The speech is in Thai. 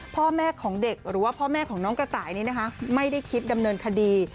พ่อแม่ของเด็กหรือว่าพ่อแม่ของน้องกระต่ายนี้นะคะไม่ได้คิดดำเนินคดี